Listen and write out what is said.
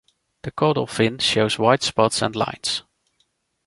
The caudal fin shows white spots and lines.